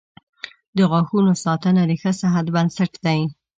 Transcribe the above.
• د غاښونو ساتنه د ښه صحت بنسټ دی.